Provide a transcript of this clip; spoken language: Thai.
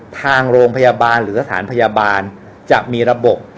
ทางโรงพยาบาลหรือสถานพยาบาลจะมีระบบ